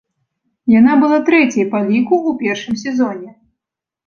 Яна была трэцяй па ліку ў першым сезоне.